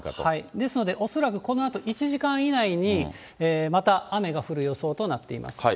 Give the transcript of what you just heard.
ですから、このあとまた１時間以内に雨が降る予想となっています。